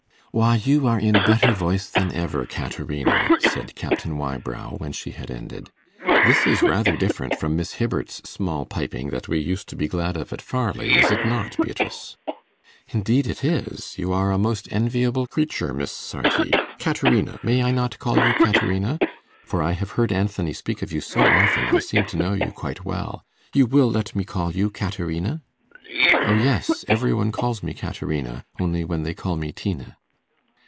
'Why, you are in better voice than ever, Caterina,' said Captain Wybrow, when she had ended. 'This is rather different from Miss Hibbert's small piping that we used to be glad of at Farleigh, is it not, Beatrice?' 'Indeed it is. You are a most enviable creature, Miss Sarti Caterina may I not call you Caterina? for I have heard Anthony speak of you so often, I seem to know you quite well. You will let me call you Caterina?' 'O yes, every one calls me Caterina, only when they call me Tina.